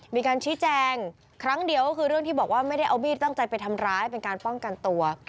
มีการชี้แจงครั้งเดียวก็คือเรื่องที่บอกว่าไม่ได้เอามีดตั้งใจไปทำร้ายเป็นการป้องกันตัว